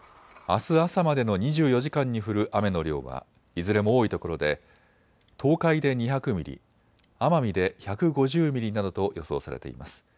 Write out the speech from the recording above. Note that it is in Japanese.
あす朝までの２４時間に降る雨の量はいずれも多いところで東海で２００ミリ、奄美で１５０ミリなどと予想されています。